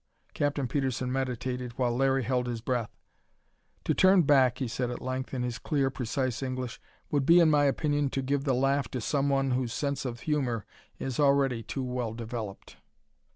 Captain Petersen meditated, while Larry held his breath. "To turn back," he said at length, in his clear, precise English, "would in my opinion be to give the laugh to someone whose sense of humor is already too well developed."